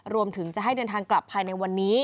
รวมถึงจะให้เดินทางกลับภายในวันนี้